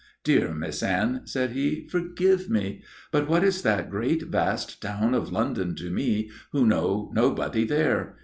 "Dear Miss Anne," said he, "forgive me. But what is that great vast town of London to me who know nobody there?